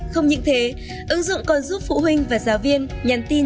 không những thế ứng dụng còn giúp phụ huynh và giáo viên nhắn tin về các thông tin